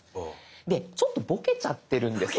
でちょっとボケちゃってるんですよ。